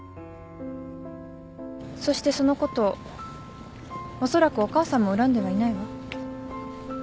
そしてそのことをおそらくお母さんも恨んではいないわ。